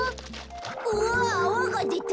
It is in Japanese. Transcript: うわっあわがでた。